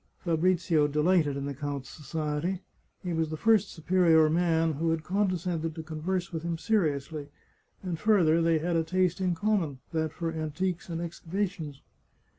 Fabrizio delighted in the count's society. He was the first superior man who had condescended to converse with him seriously, and, further, they had a taste in common — that for antiques and excavations.